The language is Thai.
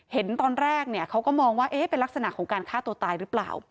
เห็นตอนแรกเนี่ยเขาก็มองว่าเป็นลักษณะของการฆ่าตัวตายหรือเปล่า